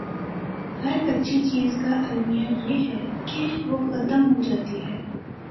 ہر اچھی چیز کا المیہ یہ ہے کہ وہ ختم ہو جاتی ہے۔